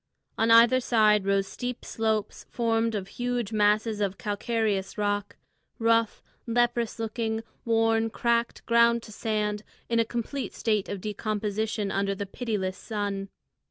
On either side rose steep slopes formed of huge masses of calcareous rock, rough, leprous looking, worn, cracked, ground to sand, in a complete state of decomposition under the pitiless sun.